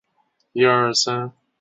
可能会成为政治人物